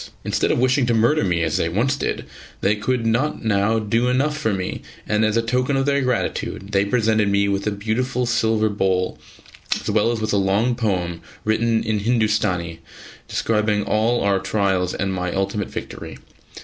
Instead of wishing to murder me, as they once did, they could not now do enough for me, and as a token of their gratitude they presented me with a beautiful silver bowl, as well as with a long poem written in Hindustani describing all our trials and my ultimate victory.